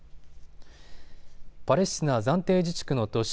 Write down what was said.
パレスチナ暫定自治区の都市